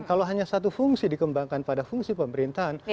kalau hanya satu fungsi dikembangkan pada fungsi pemerintahan